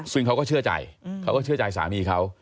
ซึ่งเขาก็เชื่อใจเขาก็เชื่อใจสามีเขา